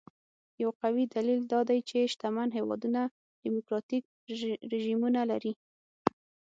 یو قوي دلیل دا دی چې شتمن هېوادونه ډیموکراټیک رژیمونه لري.